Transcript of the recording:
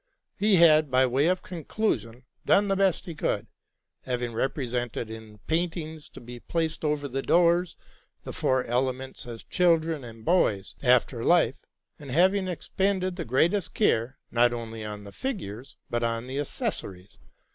He had, by way of conclusion, done the best he could, having represented, in paintings to be placed oyer the doors, the four elements as children and boys, after life, and having expended the greatest care, not only on the figures, but on the accessories.